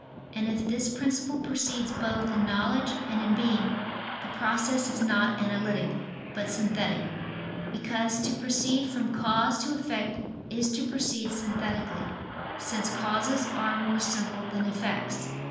And if this principle precedes both in knowledge and in being, the process is not analytic, but synthetic: because to proceed from cause to effect is to proceed synthetically, since causes are more simple than effects.